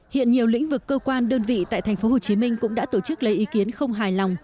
hiện nhiều lĩnh vực cơ quan đơn vị tại tp hcm cũng đã tổ chức lấy ý kiến không hài lòng